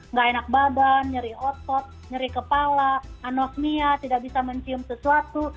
nggak enak badan nyeri otot nyeri kepala anosmia tidak bisa mencium sesuatu